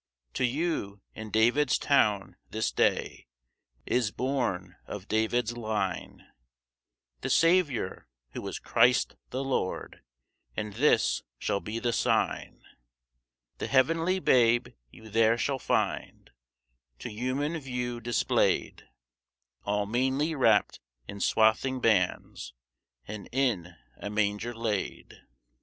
"To you, in David's town, this day Is born of David's line The Saviour who is Christ the Lord; And this shall be the sign: "The heavenly Babe you there shall find To human view display'd, All meanly wrapt in swathing bands, And in a manger laid."